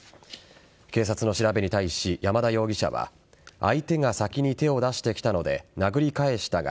警察の調べに対し、山田容疑者は相手が先に手を出してきたので殴り返したが